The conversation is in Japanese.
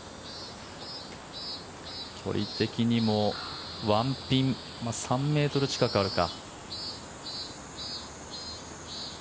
距離的にも１ピン、３ｍ近くあるか。